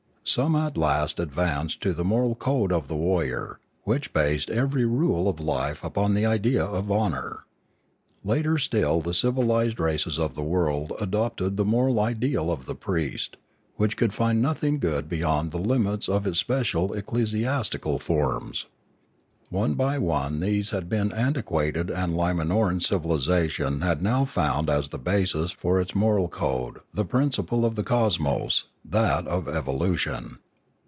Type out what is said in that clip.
Some at last advanced to the moral code of the warrior, which based every rule of life upon the idea of honour. Later still the civilised races of the world adopted the moral ideal of the priest, which could find nothing good beyond the limits of its special ecclesiastical forms. One by one these had been antiquated and Limanoran civilisation had now found as the basis for its moral code the principle of the cosmos, that of evolution.